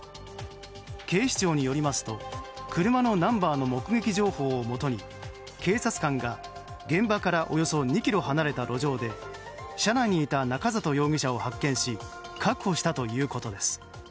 警視庁によりますと車のナンバーの目撃情報をもとに警察官が、現場からおよそ２ｋｍ離れた路上で車内にいた中里容疑者を発見し確保したということです。